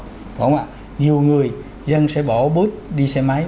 có không ạ nhiều người dân sẽ bỏ bút đi xe máy